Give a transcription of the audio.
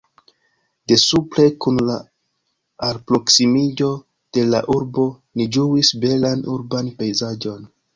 De supre, kun la alproksimiĝo de la urbo ni ĝuis belan urban pejzaĝon.